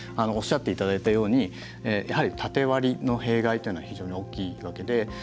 おっしゃっていただいたようにやはり縦割りの弊害というのは非常に大きいわけで。